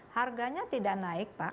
harganya tidak naik pak